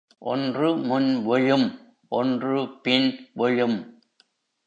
ஒன்று முன் விழும், ஒன்று பின் விழும்.